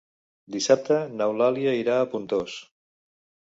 Dissabte n'Eulàlia irà a Pontós.